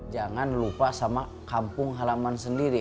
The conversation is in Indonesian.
jangan lupa sama kampung halaman sendiri